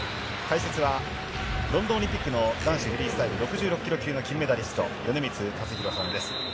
解説はロンドンオリンピックの男子フリースタイル６６ｋｇ級のメダリスト米満達弘さんです。